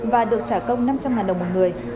và được trả công năm trăm linh đồng một người